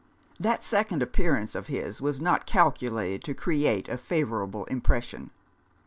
That second appearance of his was not cal culated to create a favourable impression.